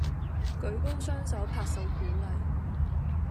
舉高雙手拍手鼓勵